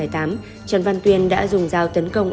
trần văn tuyên đã dùng dao tấn công